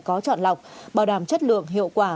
có chọn lọc bảo đảm chất lượng hiệu quả